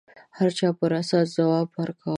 هر چا پر اساس ځواب ورکاوه